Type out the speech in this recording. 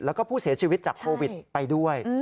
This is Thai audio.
แล้วก็ผู้เสียชีวิตจากโควิดไปด้วย